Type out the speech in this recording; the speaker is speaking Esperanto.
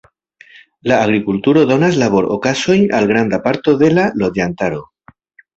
La agrikulturo donas labor-okazojn al granda parto de la loĝantaro.